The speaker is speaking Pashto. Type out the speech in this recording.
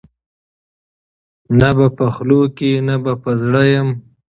نه به په خولو کي نه به په زړه یم